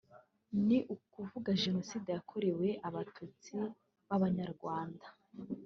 ni ukuvuga genocide yakorewe Abatutsi b’Abanyarwanda